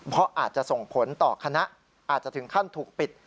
เพราะอาจจะส่งผลต่อคณะอาจจะถึงขั้นถูกปิด